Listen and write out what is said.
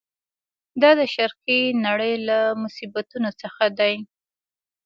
دا د شرقي نړۍ له مصیبتونو څخه دی.